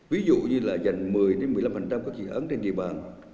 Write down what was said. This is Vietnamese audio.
ví dụ như là dành một mươi một mươi năm các dự án trên địa bàn